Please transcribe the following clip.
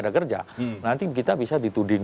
ada kerja nanti kita bisa dituding